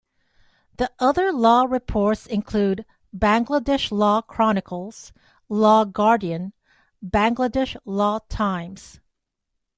The other law reports include Bangladesh Law Chronicles, Law Guardian, Bangladesh Law Times.